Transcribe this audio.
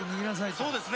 そうですね。